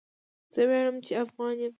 زه ویاړم چی افغان يم